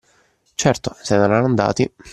Certo, se ne erano andati.